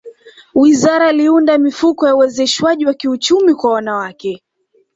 wizara liunda mifuko ya uwezeshwaji wa kiuchumi kwa wanawake